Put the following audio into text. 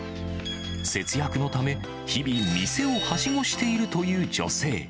節約のため、日々店をはしごしているという女性。